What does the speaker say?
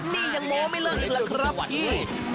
นี่ยังโม้ไม่เลิกจังหล่ะครับพี่